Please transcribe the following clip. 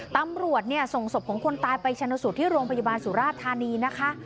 ตำรวจส่งศพของคนตายไปชนสูตรที่โรงพยาบาลสุราธานีนะคะ